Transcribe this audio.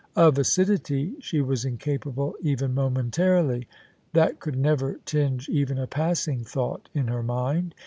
Of acidity she was incapable even momentarily: that could never tinge even a passing thought in her mind.